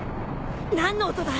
何の音だ？